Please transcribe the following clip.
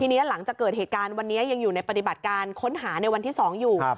ทีนี้หลังจากเกิดเหตุการณ์วันนี้ยังอยู่ในปฏิบัติการค้นหาในวันที่๒อยู่